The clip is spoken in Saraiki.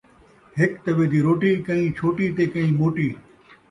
ہک توّے دی روٹی ، کئیں چھوٹی تے کئیں موٹی